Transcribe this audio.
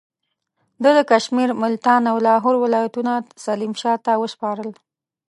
ده د کشمیر، ملتان او لاهور ولایتونه سلیم شاه ته وسپارل.